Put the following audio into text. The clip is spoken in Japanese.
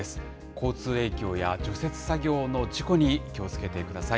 交通影響や除雪作業の事故に気をつけてください。